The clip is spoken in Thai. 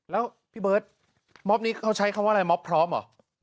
แล้วพี่เบิร์ตมอบนี้เขาใช้คำว่าอะไรม็อบพร้อมเหรอ